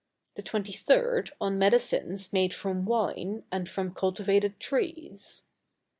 The 23d on Medicines made from Wine and from cultivated Trees.